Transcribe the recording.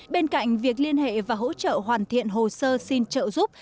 bên cạnh việc liên hệ và hỗ trợ hoàn thiện hồ sơ xin trợ giúp